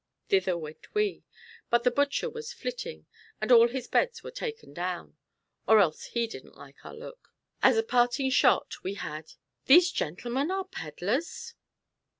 Thither went we. But the butcher was flitting, and all his beds were taken down. Or else he didn't like our look. As a parting shot, we had 'These gentlemen are pedlars?